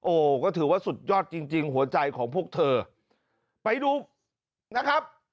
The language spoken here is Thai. โอ้โหก็ถือว่าสุดยอดจริงจริงหัวใจของพวกเธอไปดูนะครับ